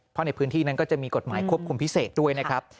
เพราะในพื้นที่นั้นก็จะมีกฎหมายควบคุมพิเศษด้วยนะครับ